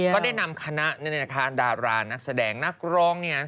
ก็ได้นำคณะดารานักแสดงนักร้อง